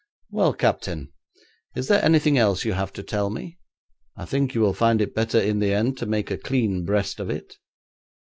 'Well, captain, is there anything else you have to tell me? I think you will find it better in the end to make a clean breast of it.'